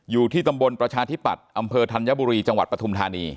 อยู่ที่ตำบลประชาธิปัตย์อำเภอธัญบุรีจังหวัดปฐุมธานี